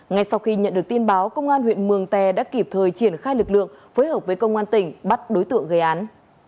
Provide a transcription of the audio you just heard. ngay sau khi nhận được tin báo công an huyện mường tè đã kịp thời triển khai lực lượng phối hợp với công an tỉnh bắt đối tượng gây án